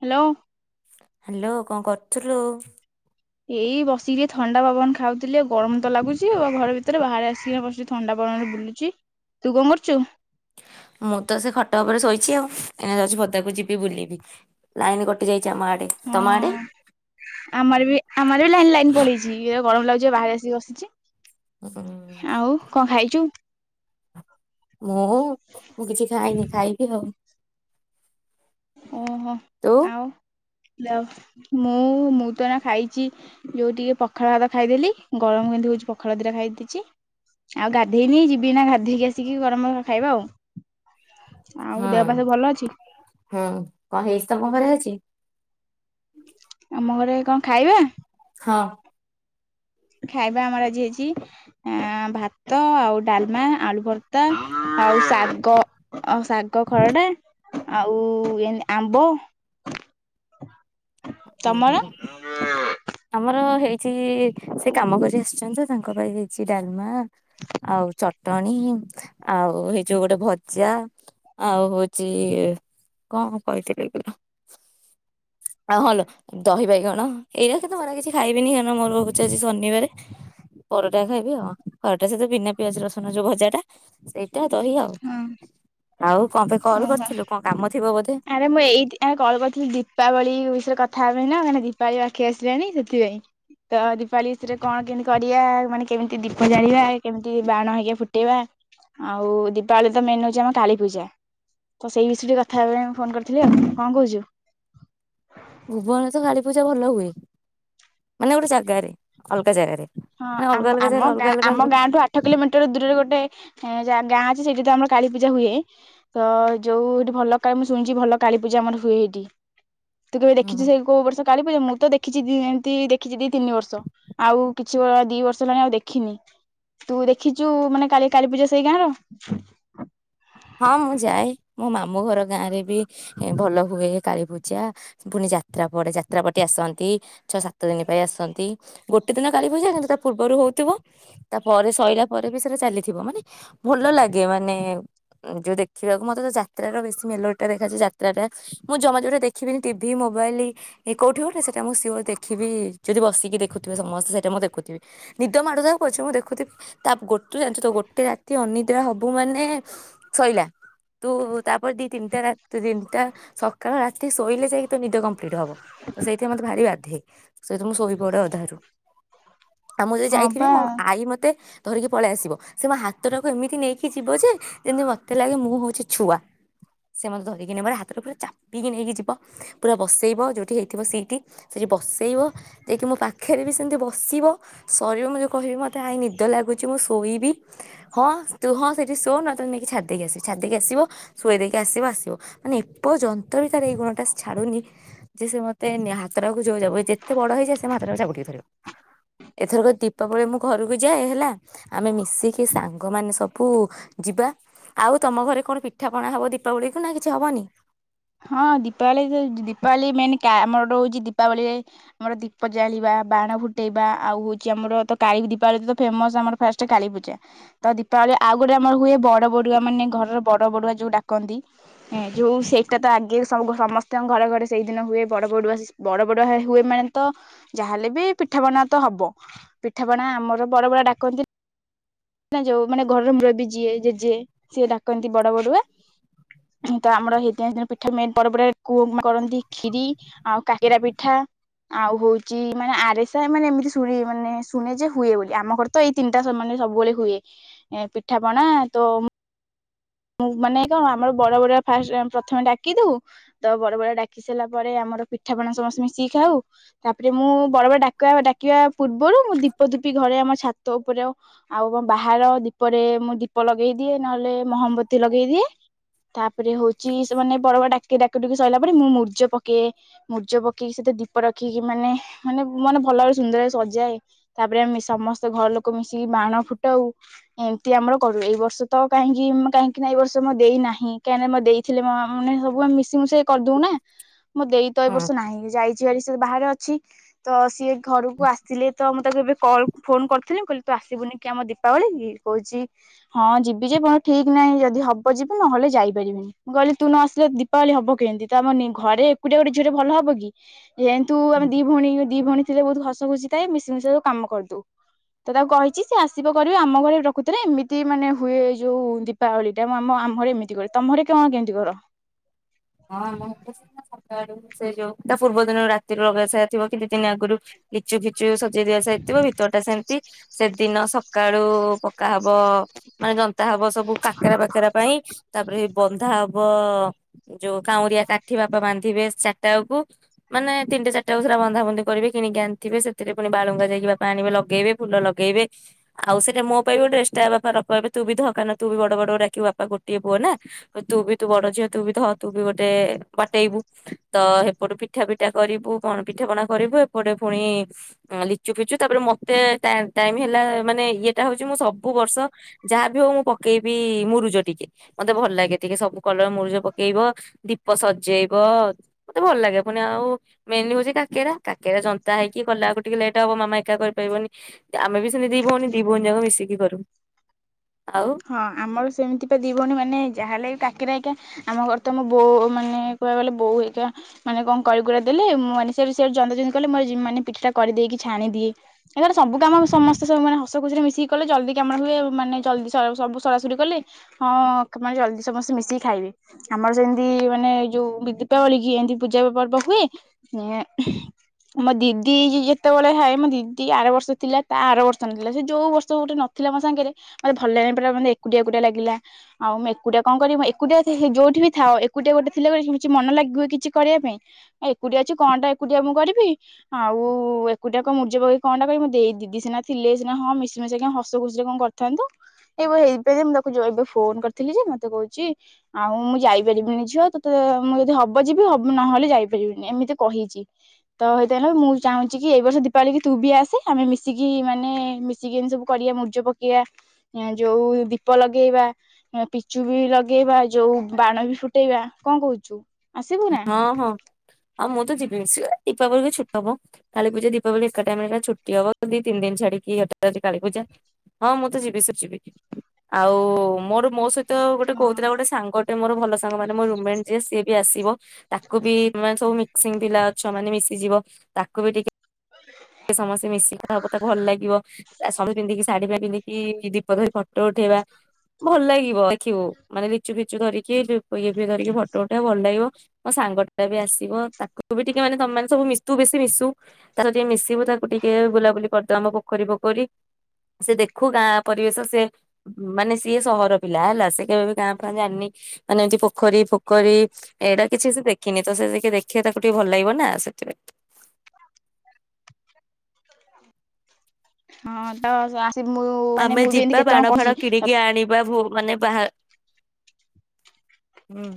Hello. Hello କଣ କରଥୁଲୁ? ଏଇ ବସିକି ଟିକେ ଥଣ୍ଡା ପବନ ଖାଉଥିଲି ଆଉ ଗରମ ତ ଲାଗୁଚି, ଆଉ ଘର ଭିତରେ ବାହାରେ ଆସିକି ବସି ଥଣ୍ଡା ପବନରେ ବୁଲୁଚି, ତୁ କଣ କରୁଚୁ? ମୁଁ ତ ସେ ଖଟ ଉପରେ ଶୋଇଚି ଆଉ, ଏଇନା ଯାଉଚି ପଦାକୁ ଯିବି ବୁଲିବି, ଲାଇନ୍ କଟି ଯାଇ ହଁ ଆମର ବି ଆମର ବି ଲାଇନ୍ ଲାଇନ୍ ପଳେଇଚି, ଇଏ ଗରମ ଲାଗୁଚି ପା ବାହାରେ ଆସିକି ହୁଁ, ବସିଚି। ଆଉ କଣ ଖାଇଚୁ? ମୁଁ ମୁଁ କିଛି ଖାଇନି ଖାଇବି ଆଉ। ଓହୋ ତୁ? ଆଉ। ଯାଅ ମୁଁ ମୁଁ ତ ଏଇନା ଖାଇଚି ଯୋଉ ଟିକେ ପଖାଳ ଭାତ ଖାଇଦେଲି ଗରମ କେମିତି ହଉଚୁ ପଖାଳ ଦିଟା ଖାଇ ଦେଇଚି, ଆଉ ଗାଧେଇନି ଯିବି ଏଇନା ଗାଧେଇକି ଆସିକି ଗରମ ଗରମ ଖାଇବା ଆଉ। ଆଉ ହୁଁ ଦେହ ପା ସବୁ ଭଲ ଅଛି? ହୁଁ କଣ ହେଇଚି ତମ ଘରେ ଆଜି? ଆମ ଘରେ କଣ ଖାଇବା? ହଁ। ଖାଇବା ଆମର ଆଜି ହେଇଚି ଏଁ, ଭାତ ଆଉ ଡାଲମା, ଆଳୁ ଭର୍ତ୍ତା, ଆଉ ଶାଗ ଆଉ ଶାଗ ଖରଡ଼ା। ଆଉ ଏନ୍ ଆମ୍ବ। ହୁଁ ତମର? ହୁଁ ଆମର ହେ ଚି ସେ କାମ କରି ଆସିଛନ୍ତି ତ ତାଙ୍କ ପାଇଁ ହେଇଚି ଡାଲମା ଆଉ ଚଟଣି ଆଉ ହେଇ ଯୋଉ ଗୋଟେ ଭଜା ଆଉ ହଉଚି କଣ କହିଥିଲିି ୟୁ ନ ଆଉ ହଁ ଲୋ ଦହିିବାଇଗଣ ଏଉରା କେତେ ମୋର ଆଉ କିଛି ଖାଇବିନି କାଇଁ ନା ମୋର ହଉଚି ଆଜି ଶନିବାରେ ପରଟା ଖାଇବି ଆଉ ପରଟା ସହିତ ବିନା ପିଆଜ ରସୁଣ ଯୋଉ ଭଜାଟା ସେଇ ହଁ କଣ ପାଇଁ କଲ୍ ଓହୋ କରିଥିଲୁ କଣ କାମ ଥିବ ବୋଧେ? ଆରେ ମୁଁ ଏଇଥି ପାଇଁ କଲ୍ କରିଥିଲି ଦୀପାବଳି ଯୋଉ ବିଷୟରେ କଥା ହବା ପାଇଁ ନା କାଇଁ ନା ଦୀପାବଳି ପାଖେଇ ଆସିଲାଣି ସେଥିପାଇଁ ତ ଦୀପାବଳି ବିଷୟରେ କଣ କେମିତି କରିଆ? ମାନେ କେମିତି ଦୀପ ଜାଳିବା? କେମିତି ବାଣ ହେଇକା ଫୁଟେଇବା ଆଉ ଦି ପାଳି ତ ମେନ୍ ହଉଚି ଆମ କାଳୀ ପୂଜା ତ ସେଇ ବିଷୟରେ ଟିକେ କଥା ହେବା ପାଇଁ ମୁଁ ଫୋନ୍ କରିଥିଲି ଆଉ କଣ କହୁଚୁ? ଭୁବନରେ ତ କାଳୀପୂଜା ଭଲ ହୁଏ, ମାନେ ଗୋଟେ ଜାଗାରେ ଅଲଗା ଜାଗାରେ। ହଁ ମାନେ ଆମ ଅଲଗା ଅଲଗା ଜାଗାରେ ଆମ ଅଲଗା ଗାଁ ଅଲଗା ଆମ ଗାଁଠୁ ଆଠ କିଲୋମିଟର ଦୂରରେ ଗୋଟେ ଏଁ, ଯା ଗାଁ ଅଛି ସେଇଠି ତ ଆମର କାଳୀପୂଜା ହୁଏ, ତ ଯୋଉ ଏଠି ଭଲ କାଏ ମୁଁ ଶୁଣିଚି ଭଲ କାଳୀପୂଜା ଆମର ହୁଏ ଏଇଟି। ତୁ କେବେ ହୁଏ। ଦେଖିଚୁ ସେ କୋଉ ବର୍ଷ କାଳୀପୂଜା ମୁଁ ତ ଦେ କିଛିି ଦିଅନ୍ତି ଦେଖିଚି ଦି ତିନି ବର୍ଷ ଆଉ କିଛି [unintelligible] ଦି ବର୍ଷ ହେଲାଣି ଆଉ ଦେଖିନି, ତୁ ଦେଖିଚୁ ମାନେ କାଲି କାଳୀ ପୂଜା ସେଇ ଗାଁର? ହଁ ମୁଁ ଯାଏ, ମୋ ମା ମାମୁଁ ଘର ଗାଁରେ ବି ଭଲ ହୁଏ କାଳୀ ପୂଜା ପୁଣି ଯାତ୍ରା ପଡ଼େ ଯାତ୍ରା ପାଟି ଆସନ୍ତି ଛଅ ସାତ ଦିନ ପାଇଁ ଆସନ୍ତି ଗୋ ଗୋଟେ ଦିନ କାଳୀ ପୂଜା କିନ୍ତୁ ତା ପୂର୍ବରୁ ଥିବ ତାପରେ ସଇଲା ପରେ ବି ସେଟା ଚାଲିଥିବ ମାନେ ଭଲ ଲାଗେ ମାନେ ଯୋଉ ଦେଖିବାକୁ ମତେ ତ ଯାତ୍ରାର ବେଶୀ ମେଲୋଡିଟା ଦେଖାଯାଏ ଯାତ୍ରାଟା ମୁଁ ଜମା ଯୋଉଟା ଦେଖିବିନି ଟିଭି ମୋବାଇଲ କୋଉଠିି ଗୋଟେ ସେଇଟା ମୁଁ ସିଓର୍ ଦେଖିବି ଯଦି ବସିକି ଦେଖୁଥିବେ ସମସ୍ତେ ସେଇଟା ମୁଁ ଦେଖୁଥିବି ନିଦ ମାଡୁଥାଉ ପଛେ ମୁଁ ଦେଖୁଥିବି ତା ଗୋଟେ ଜାଣିଚୁ ତ ଗୋଟେ ରାତି ଅନିଦ୍ରା ହବୁ ମାନେ ସଇଲା ତୁ ତାପରେ ଦି ତିନିଟା ରାତି ତିନିଟା ସକାଳ ରାତି ଶୋଇଲେ ଯାଇକି ତୋ ନିଦ କମ୍ପ୍ଲିଟ ହବ ତ ସେଇଥି ପାଇଁ ମତେ ଭାରି ବା ସେଇତ ମୁଁ ଶୋଇପଡ଼େ ଅଧାରୁ ଆଉ ମୁଁ ଯଦି ହଁ ଯାଇଥିବି ପା ମୋ ଆଈ ମତେ ଧରିକି ପଳେଇ ଆସିବ ସେ ମୋ ହାତଟାକୁ ଏମିତି ନେଇକି ଯିବ ଯେ। ଯେମିତି ମୋତେ ଲାଗେ ମୁଁ ହଉଛି ଛୁଆ ସେ ମୋତେ ଧରିକିି ନେବାରେ ହାତଟା ପୁରା ଚାପିକି ନେଇକି ଯିବ ପୁରା ବସେଇବ ଯୋଉଠି ହେଇଥିବ ସିଟି ସେଠି ବସେଇବ ଯାଇକି ମୋ ପାଖରେ ବି ସେମିତି ବସିବ ସରିବ ମୁଁ କହିବି ମୋତେ ଆାଇ ନିଦ ଲାଗୁଛି ମୁଁ ଶୋଇବି ହଁ ତୁ ହଁ ସେଠି ଶୋଇ ନହେଲେ ତତେ ନେଇ ଛାଡି ଦେଇକି ଆସିବ ଛାଡି ଦେଇକି ଆସିବ ଶୁଏଇ ଦେଇକି ଆସିବ ଆସିବ ମାନେ ଏ ପର୍ଯ୍ୟନ୍ତ ବି ତାର ଏଇ ଗୁଣ ଟା ଛାଡୁନି ଯେ ସେ ନେ ମତେ ହାତଟାକୁ ଜୋର ଜବ ଯେତେ ବଡ ହେଇଯାଏ ସେ ମୋ ହାତଟକୁ ଜାବୁଡ଼ିକି ଧରିବ ଏଥରକ ଦୀପାବଳି ମୁଁ ଘରକୁ ଯାଏ ହେଲା ଆମେ ମିଶିକି ସାଙ୍ଗ ମାନେ ସବୁ-ଉ-ଉ ଯିବା। ଆଉ ତମ ଘରେ କଣ ପିଠା ପଣା ହବ ଦୀପାବଳି କୁ ନା କିଛି ହବନି। ହଁ ଦୀପାବଳି ଦୀପାବଳି ମେନ୍ ଆମର ଗୋଟ ହଉଛି ଦୀପାବଳିରେ ଆମର ଦୀପ ଜାଳିବା ବାଣ ଫୁଟେଇବା। ଆଉ ହଉଛି ଆମର ତା ଦୀପାବଳି ତ ଫେମସ ଆମର ଫାଷ୍ଟ କାଳୀପୂଜା। ତ ଦୀପାବଳି ଆଉ ଗୋଟେ ଆମର ହୁଏ ବଡ ବଡୁଆ ମାନେ ଘରର ବଡ ବଡୁଆ ଯୋଉ ଡାକନ୍ତି। ଯୋଉ ସେ ପିଟା ତ ଆଗେୁ ସମସ୍ତଙ୍କ ଘରେ ଘରେ ସେଇଦିନ ହୁଏ ବଡ ବଡୁଆ ବଡ ବଡୁଆ ହୁଏ ମାନେ ତ ଯାହାହଲେ ବି ପିଠାପଣା ତ ହବ। ପିଠାପଣା ଆମର ବଡ ବଡା ଡାକନ୍ତି ଯୋଉ ମାନେ ଘରର ମୂୁର ବି ଯିଏ ଜେଜେ ସିଏ ଡାକନ୍ତି ବଡ ବଡଆ। ତ ଆମର ଏଇ ଦିନ ପିଠା ମେ ପର କୁଅ କରନ୍ତି ଖ୍ଷୀରି ଆଉ କାକିରା ପିଠା ଆଉ ହଉଛି ମାନେ ଆରେସା ମାନେ ଏମିତି ଶୁଣି ମାନେ ଶୁଣେ ଯେ ହୁଏ ବୋଲି। ଆମ ଘର ତ ଏଇ ତିନଟା ମାନେ ସବୁବେଳେ ହୁଏ ପିଠାପଣା ତ ମୁଁ ମାନେ କଣ ଆମର ବଡ ବଡ ଫାଷ୍ଟ ପ୍ରଥମେ ଡାକି ଦଉ ତ ବଡ ବଡଆ ଡାକି ସାରିଲା ପରେ ଆମର ପିଠାପଣା ସମସ୍ତେ ମିଶିକି ଖାଉ। ତାପରେ ମୁଁ ବଡ ବଡ ଡା ଡାକିବା ପୂର୍ବରୁ ମୁଁ ଦୀପ ଦୂପି ଘରେ ଆମ ଛାତ ଉପରେ ଆଉ ବାହାର ଦୀପରେ ମୁଁ ଦୀପ ଲଗେଇ ଦିଏ। ନହେଲେ ମହବ ତି ଲଗେଇଦିଏ ତାପ ତାପରେ ହଉଛି ସେମାନେେ ବଡ ବଡିଆ ଡାକି ଡୁକି। ସରିଲା ପରେ ମୁଁ ମୁୂର୍ଜ ପକେଇଏ। ମୁୂର୍ଜ ପକେଇକି ସେତେ ଦୀପ ରଖିକି ମାନେ ମାନେ ମାନେ ଭଲ ଭ ସୁନ୍ଦର ସଜାଏ। ତାପରେ ଆମେ ସମସ୍ତେ ଘର ଲୋକ ମିଶିକି ବାଣ ଫୁଟାଉ। ଏମିତି ଆମର କରୁ ଏଇ ବର୍ଷ ତ କାହିଁକି କାହିଁକି କି ଏ ବର୍ଷ ମୋ ଦେଇ ନାହିଁ। କାହିଁକନା ମ ଦେଇଥିଲେ ମାନେ ସବୁ ଆ ମି ମୁଁ ସେ କରିଦଉ ନା ମୋ ଦେଇ ତ ଏ ବର୍ଷ ହୁଁ ନାହିଁ। ଯାଇଛି ବାହାରେ ଅଛି। ତ ସିଏ ଘରକୁ ଆସିଲେ ତ ମୁଁ ତାକୁ ଏବେ କଲ ଫୋନ କରିଥିଲି କହିଲି ତୁ ଆସିବୁନି କି ଆମ ଦୀପାବଳି କହୁଛି ହଁ ଯିବି ଯେ ଠିକ ନାହିଁ ଯି ହବ ଯିବି ନହେଲେ ଯାଇପାରିବିନି। ମୁଁ କହିଲି ତୁ ନ ଆସିଲେ ଦୀପାବଳି ହବ କେମିତି। ତାମାନେ ଘରେ ଏକୁଟିଆ ଗୋଟେଝଅରେ ଭଲ ହବ କି। ଯେହେତୁ ହୁଁ ଆମେ ଦି ଭଣୀ ଦି ଭଣୀ ଥିଲେ ବହୁତ ହସ ଖୁସି ଥାଏ ମିଶି ମିଶାଇୁ କାମ କରିଦଉ। ତ ତାକୁ କହିଛି ସେ ଆସିବ କରିବ ଆମ ଘରେ ପ୍ରକୁତରେ ଏମିତି ମାନେ ହୁଏ ଯୋଉ ଦୀପାବଳି ଏଇଟା ମୁଁ ଆମ ଆମ ଘରେ ଏମିତି କରେ। ତମ ଘରେ କଣ କେମିତି କର? ହଁ ମୁ ସେ ଯୋଉ ତା ପୂର୍ବ ଦିନରୁ ରାତିରୁ ରଗା ସା ଥିବ କିଛି ଦିନ ଆଗରୁ ଲିଚୁ [inaudible] ସଜେଇ ଦିଆ ସାରଥିବ ଭିତର ଟା ସେମିତି। ସେଦିନ ସକାଳୁ ପକା ହବ ହବ ମାନେ ଜନ୍ତା ହବ ସବୁ କାକେରା ପାକେରା ପାଇଁ। ତାପରେ ସେ ବନ୍ଧା ହବ ଯୋଉ କାଉଁରିଆ କାଠି ବାପା ବାନ୍ଧିବେ ଚାରି ଟା ବେଳକୁ। ମାନେ ତିନଟା ଚାରି ଟା ବେଳକୁ ବନ୍ଧା ବନ୍ଧି କରିବେ କିଣିକି ଆଣିଥିବେ। ସେଥିରେ ପୁଣି ବାଳୁଙ୍ଗା ଯକି ବାପା ଆଣିବେ ଲଗେଇବେ ଫୁଲ ଲଗେଇବେ ଆଉ ସେଟା ମୋ ପାଇଁ ଗୋଟେ ଏକ୍ସଟ୍ରଆ ବାପା ରଖେଇିବବେ ତୁ ବି ଧ ତୁ ବି ବଡ ବଡଡିବ ବାପା ଗୋଟଏ ପୁଅ ନା ତୁ ବି ତୁ ବଡ ଝିଅ ତୁ ବି ଧ ତୁ ବି ଗୋଟେ ବାଟେଇବୁ। ତ ଏପଟେ ପିଠା ପିଠା କରିବୁ କଣ ପିଠା ପଣା କରିବୁ। ଏପଟେ ପୁଣି ଲିଚୁ ଫିଚୁ ତାପରେ ମତେ ଟାଇମ ହେଲା ମାନେ ଇଏଟା ହଉଛି ମୁଁ ସବୁ ବର୍ଷ ଯାହା ବି ହଉ ମୁଁ ପକେଇବି ମୁରୁଜ ଟିକେ। ମତେ ଭଲ ଲାଗେ ଟିକେ ସବୁ କଲର ମୁରୁଜ ପକେଇ ପକେଇବ ଦୀପ ସଜେଇବ ମତେ ଭଲ ଲାଗେ ପୁଣି ଆଉ ମେନଲି ହଉଛି କାକେରା କାେରା ଜନ୍ତା ହେଇକି କଲା ଆକୁ ଟିକେ ଲେଟ୍ ହବ ମାମା ଏକା କରିପାରିବନି ଆମେ ବି ସେମି ଦି ବଉଣୀ ଦି ଭଉଣୀ ଯାକ ମିଶିକି କରୁ ଆଉ ହଁ ଆମର ସେମିତି ତ ଦି ଭଉଣୀ ମାନେ ଯାହା ହେଲେ କି କାକେରା ଆମ ଘରେ ତ ମୋ ବୋଉ ମାନେ କୁହାକୁ ଗଲେ ବୋଉ ହେ ମାନେ କଣ କରିଗୁଡା ଦେଲେ ମୁଁ ମାନେ ସେ ଜନ୍ଦ ଜନ୍ଦି କଲେ ମ ମାନେିଠାଟା କରିଦେଇକି ଛାଣିଦିଏ ସବୁ କାମ ସମସ୍ତ ସବୁ ମାନେ ହସ ଖୁସିରେ ମିଶିକିଲେ ଜଲଦିାମ ହୁଏ ମାନେ ଜଲଦି ସବୁ ସରାସରି କଲେ ହଁ ମାନେ ଜଲ୍ଦି ସମସ୍ତେ ମିଶିକି ଖାଇବେ ଆମର ସେମିତି ମାନେ ଯୋଉ ଦୀପାବଳି କି ଏମତି ପୂଜା ପର୍ବ ହୁଏ ମୋ ଦିଦି ଯେତେବେଳେ ଖାଏ ମୋ ଦିଦି ଆର ବର୍ଷ ଥିଲା ତା ଆର ବର୍ଷ ନଥିଲା ସେ ଯୋଉ ବର୍ଷ ଗୋଟେ ନଥିଲା ମୋ ସାଙ୍ଗରେ ମେ ଭଲ ଲାଗି ପ ମୋେ ଏକୁଟିଆ ଏକୁଟିଆ ଲାଗିଲା ଆଉ ମୁଁ ଏକୁଟିଆ କଣ କରିବି ଏକୁଟିଆ ଯୋଉଠି ବି ଥା ଏକୁଟିଆ ଗୋଟେ ଥିଲେ କିଛି ମନ ଲାଗିବୁଏ କିଛି କରିବା ପାଇଁ ଆଉ ଏକୁଟିଆ ଅଛି କଣଟା ଏକୁଟିଆ ମୁଁ କରିବି ଆଉ ଏକୁଟଆ କଣ ମୂର୍ଜ ପି କଣା କରିବି ମ ଦିଦି ସିନା ଥିଲେ ସିନା ହଁ ମିଶି ମିଶାଇ ହସ ଖୁସିରେ କଣ କରିଥାନ୍ତୁ। ଏବେ ହେଇପ ମୁଁ ଦେଖଛି ଏବେ ଫୋନ କରିଥିଲି ଯେ ମତେ କହୁଛି ଆଉ ମୁଁ ଯାଇପାରିବିନି ଝିଅ ତୋତେ ମୁଁ ଯଦି ହବ ଯିବି ନହେଲେ ଯାଇପାରିବିନି ଏମିତି କହିଛି ତ ହେତ ମୁଁ ଚାହୁଁଛି କି ଏଇ ବର୍ଷ ଦୀପାଳି ତୁ ବି ଆସେ ଆମେ ମିଶିକି ମାନେ ମିଶିକି ଏମତି ସବୁ କରିବା ମୂଜ ପକେଇବା। ଯୋଉ ଦୀପ ଲଗେଇବା ପିଚୁ ବି ଲଗେଇବା ଯୋଉ ବାଣ ବି ଫୁଟେଇବା କଣ କହୁଛୁ? ଆସିବୁ ନା? ହଁ ହଁ। ହଁ ମୁଁ ତ ଯିବି ଦୀପାବଳି ଛୁଟ ହବ କାଳୀ ପୂଜା ଦୀପାବଳି ଏକା ଟାଇମ ରେ ଛୁଟି ହବ ଦି ତିନି ଦିନ ଛାଡିକିଟି କାଳ ପୂଜା ହଁ ମୁଁ ତ ଯିବି ସେ ଯିବି ଆଉ ମୋର ମୋ ସହିତ। ତ ଗୋଟେ ହଁ କହୁଥିଲା ଗଟେ ସାଙ୍ଗ ଟେ ମୋର ଭଲ ସାଙ୍ଗ ମାନେ ମୋ ରୁମେଟ ଯିଏ ସି ବି ଆସିବ। ତାକୁ ବି ମାନେ ସବୁ ମିକ୍ସିଂ ପିଲା ଅଛ ମାନେ ମିଶିଯିବ। ତାକୁ ବି ଟିକେ। ସେ ସମସ୍ତେ ମିଶିକି କଥା ହବ ତାକୁ ଭଲ ଲାଗିବ ସବୁ ପିନ୍ଧିକି ଶାଢୀ ପା ପିନ୍ଧିକି ଦୀପ ଧରି ଫଟୋ ଉଠେଇବା ଭଲ ଲାଗିବ। ଖିବୁ ମାନେ ଲିଚୁ ଫିଚୁ ଧରି କିଏ ଦୀପ [unintelligible] ଧରିକି ଫଟୋ ଉଠେଇବ ଭଲ ଲାଗିବ ମୋ ସାଙ୍ଗ ଟା ବି ଆସିବ ତାକୁ ବି ଟିକେ ମାନେ ତମେ ମାନେ ସବୁ ମିଶ ତୁ ବେଶି ମିଶୁ ତାର ଟିକେ। ଦେଖିବୁ ତାକୁ ଟିକେ ବୁଲାବୁଲି କରିଦେବା ଆମ ପୋଖରୀ ଫୋଖରୀ ସେ ଦେଖୁ ଗାଁ ପରିବେଶ ସେ ମାନେ ସିଏ ସହର ପିଲା ହେଲା ସେ କେବେ ବି ଗାଁ ଫାଁ ଜାଣିନି ମାନେ ଏମିତି ପୋଖରୀ ଫୋଖରୀ ଏଇଟା କିଛି ସେ ଦେଖିନି ତ ସେ ଦେଖେ ତାକୁ ଟିକେ ଭଲ ଲାଗିବ ନା ସେଥିପାଇଁ। ହଁ ତ ଆସିବୁ ମୁଁ ମାନେ ଆମେ ମୁଁ ବି ଏମିତି ଯିବା କେତେ ଜଣ ବାଣ କହିଛି ଫାଣ କିଣିକି ଆଣିବା ଭୁ ମାନେ ବାହା ହୁଁ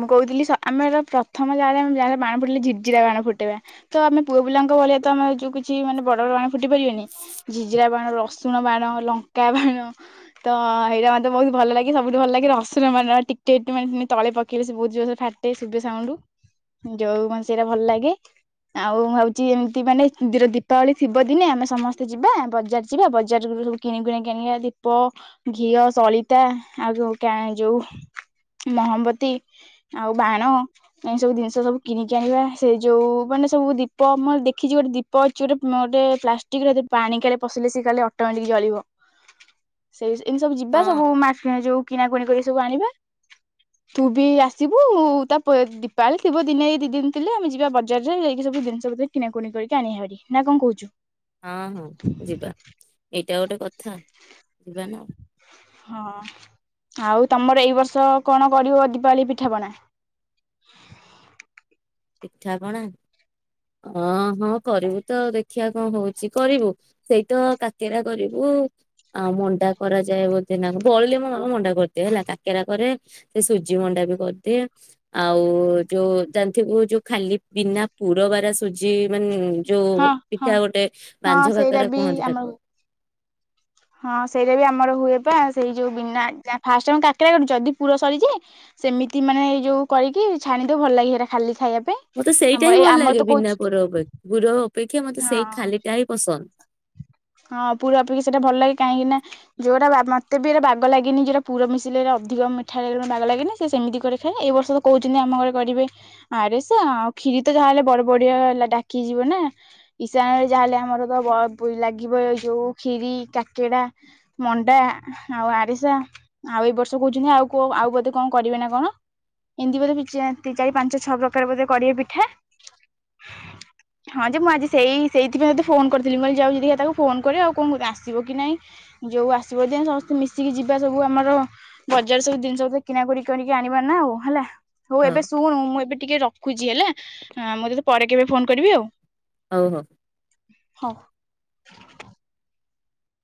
ମୁଁ କହୁଥିଲି ଆମର ପ୍ରଥମ ଯାଲେ ଯାହାର ବାଣ ଫୁଟିଲ ଝିଜିରା ବାଣ ଫୁଟେଇବା ତ ଆମେ ପୁଅ ପିଲାଙ୍କ ଭଳିଆ ତ ଆମେ ଯୋଉ କିଛି ମାନେ ବଡ ବଡ ବାଣ ଫୁଟି ପାରିବେନି ଝିଝିରିଆ ବାଣ ରସୁଣ ବାଣ ଲଙ୍କା ବାଣ ତ ଏଇଟା ମୋତେ ବହୁତ ଭଲ ଲାଗେ ସବୁଠୁ ଭଲ ଲାଗେ ରସୁଣ ବାଣ ଟିକେ ଟେ ମାନେ ତଳେ ଖିଲ ସେ ବହୁତ ଜୋରସେ ଫାଟେ ଶୁବେ ସାଉଣ୍ଡ ଯୋଉ ମାନେ ସେଇଟା ଭଲ ଲାଗେ ଆଉ ଭାବୁଛି ଏମିତି ମାନେ ଦୀପାବଳି ଥିବ ଦିନେ ଆମେ ସମସ୍ତେ ଯିବା ବଜାର ଯିବା ବଜାର ସବୁ କିଣିକୁଣି କି ଆଣିବା ଦୀପ ଘିଅ ସଳିତା ଆଉ ଯୋଉ କ୍ୟା ଯୋଉ ମହମବତୀ। ଆଉ ବାଣ ଏ ସବୁ ଜିନିଷ ସବୁ କିଣିକି ଆଣିବା ସେ ଯୋଉ ମାନେ ସବୁ ଦୀପ ମୁଁର ଦେଖିଛି ଗୋଟେ ଦୀପ ଅଛି ଗୋଟେ ଗୋଟେ ପ୍ଲାଷ୍ଟିକ ପାଣି କାଲି ପଶିଲେ ସେ କା ଅଟୋମେଟିକ ଜଳିବ। ଏ ଏମତି ସବୁ ଯିବା ହଁ ସବୁ ମା ଯୋଉ କିଣାକୁଣି ସବୁ ଆଣିବା। ବି ଆସିବୁ ତା ଦୀପାଳି ଥିବ ଦିନେ ଦି ଦିନ ଥିଲେ ଆମେ ଯିବା ବଜାରରେ ଯାଇକି ସବୁ ଜିନିଷ ପତ୍ର କିଣାକୁଣି କରିକି ଆଣିବା ଭାରି ନା କଣ କହୁଛୁ? ହଁ ହଁ ଯିବା ଏଇଟା ଗୋଟେ କଥା ଯିବା ନା। ହଁ ଆଉ ତମର ଏଇ ବର୍ଷ କଣ କରିବ? ଦଲି ପିଠା ପଣା। ପିଠାପଣା ଅ ହଁ କରିବୁ ତ ଦେଖିବା କଣ ହଉଛି କରିବୁ ସେଇତ କାକେରା କରିବୁ ଆଉ ମଣ୍ଡା କରାଯାଏ ବୋଧେ ନା ବଳିଲେ ମୁ ମଣ୍ଡା କରିଦିଏ ହେଲା କାକେରା କରେ ସେ ସୁଜି ମଣ୍ଡା ବି କରିଦିଏ ଆଉ ଯୋଉ ଚା [unintelligible] ଯୋଉ ଖାଲି ବିନା ପୁରବାର ସୁଜି ମାନେ ଯୋଉ ହଁ ହଁ ପିଠା ଗୋଟେ ହଁ ବାନ୍ଝ ସେଇଟା କାକରା ବି କୁହନ୍ତି ଆମର ତାକୁ। ହଁ ସେଇଟା ବି ଆମର ହୁଏ ବା ସେଇ ଯୋଉ ବିନା ଫାଷ୍ଟମେ କାକରା କର ଯଦି ପୁର ସରିଛି ସେମିତି ମାନେ ଏଇ ଯୋଉ କରିକି ଛାଣି ଦଉ ଭଲ ଲାଗେ ସେଇଟା ଖାଲି ଖାଇବା ପାଇଁ। ମତେ ସେଇଟା ଆମର ହିଁ ଏଇ ଭଲ ଆମର ଲାଗେ ତ ବିନା କହୁଛି ପୁର ପୁର ଅପେକ୍ଷା ମତେ ସେଇ ହଁ ଖାଲିଟା ହିଁ ପସନ୍ଦ। ହଁ ପୁର ଅପେକ୍ଷା ସେଟା ଭଲ ଲାଗେ କାହିଁକି ନା ଯୋଉଟା ମତେ ବି ଏଇଟା ବାଗ ଲାଗେନି ଯୋଉଟା ପୁର ମିଶିଲେ ଅଧିକ ମିଠା ଲାଗ ବାଗ ଲାଗେନି ସେ ସେମିତି କରି ଖାଇଲେ ଏଇ ବର୍ଷ ତ କହୁଛନ୍ତି ଆମ ଘରେ କରିବେ ଆରେସ ଆଉ କ୍ଷୀ ତ ଯାହାହଲେ ବଡ ବଢିଆ ହେଲା ଡାକିଯିବ ନା ଇଶାଣ ରେ ଯାହାେଲେ ଆମର ତ ଯୋଉ ଖିରି କାକେରା ମଣ୍ଡା ଆଉ ଆରିସା ଆଉ ଏ ବର୍ଷ କହୁଛନ୍ତି ଆଉ ଆଉ ବୋଧେ କଣ କରିବେ ନା କଣ ଏମିତି ବୋ ଚାରି ପାଞ୍ଚ ଛଅ ପ୍ରକାର ବୋଧେ କରିବେ ପିଠା ହଁ ଯେ ମୁଁ ଆଜି ସେଇ ସେଇଥିପାଇଁତେ ଫୋନ କରିଥିଲି ମୁ କହିଲି ଯାଉଛି ଦେଖିଆ। ଫୋନ କରେ ଆଉ କଣ ଆସିବ କି ନାଇଁ ଯୋଉ ଆସିବ ଦ ସମସ୍ତେ ମିଶିକି ଯିବା ସବୁ ଆମର ବଜାର ସବୁ ଜିନିଷ କିଣାକଡି କରିକି ଆଣିବା ନା ଆଉ ହେଲା। ହଉ ହଁ ଏବେ ଶୁଣୁ ମୁଁ ଏବେ ଟିକେ ରଖୁ ରଖୁଚି ହେଲା ମୁଁ ତତେ ପରେ କେବେ ଫୋନ କରିବି ଆଉ। ହଉ ହଉ। ହଉ। [inaudible]